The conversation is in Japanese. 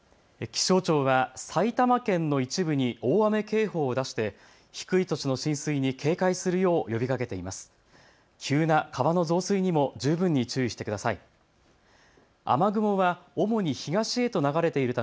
気象庁は埼玉県の一部に大雨警報を出して低い土地の浸水に警戒するよう呼びかけています。